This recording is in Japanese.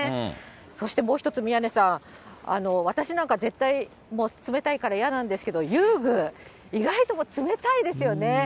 そしてもう一つ、宮根さん、私なんか絶対もう冷たいから嫌なんですけど、遊具、意外と冷たいですよね。